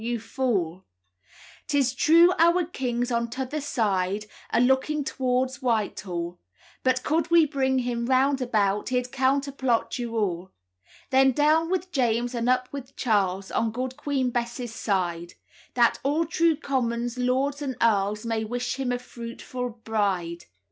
you fall! "'Tis true our king's on t'other side, A looking t'wards Whitehall, But could we bring him round about, He'd counterplot you all. "Then down with James and up with Charles, On good Queen Bess's side, That all true commons, lords, and earls May wish him a fruitful bride.